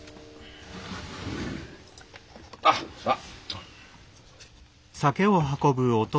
あっさあ。